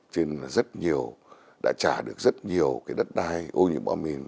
cho nên là rất nhiều đã trả được rất nhiều cái đất đai ô nhiễm bom mìn